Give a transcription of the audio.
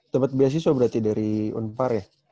dapet beasiswa berarti dari u empat belas ya